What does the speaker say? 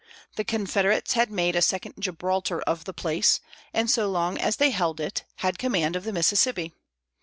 The Confederates had made a second Gibraltar of the place, and so long as they held it had command of the Mississippi.